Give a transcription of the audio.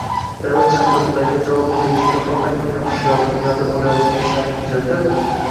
Davr chaqiriqlariga javob berishga faqatgina hushyor, dunyoda bo‘layotgan ishlarni kuzatib